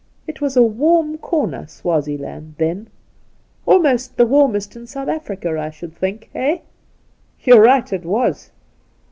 It was a warm corner, Swaziel'and, then — about the warmest in South Africa, I should think. Eh?' 'You're right. It was.